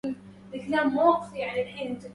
علم المحجة واضح لمريده